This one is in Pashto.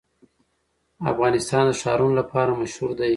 افغانستان د ښارونه لپاره مشهور دی.